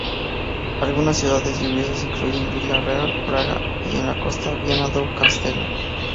Algunas ciudades lluviosas incluyen Vila Real, Braga y, en la costa, Viana do Castelo.